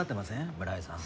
村井さん。